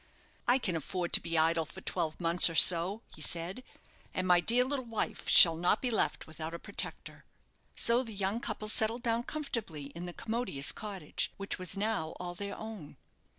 "I can afford to be idle for twelve months, or so," he said; "and my dear little wife shall not be left without a protector." So the young couple settled down comfortably in the commodious cottage, which was now all their own.